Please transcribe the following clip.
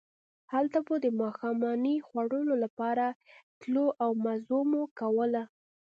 هلته به د ماښامنۍ خوړلو لپاره تلو او مزه مو کوله.